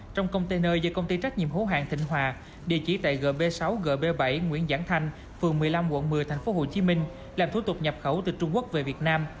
trong container do công ty trách nhiệm hữu hàng thịnh hòa địa chỉ tại gb sáu gb bảy nguyễn giảng thanh phường một mươi năm quận một mươi tp hcm làm thủ tục nhập khẩu từ trung quốc về việt nam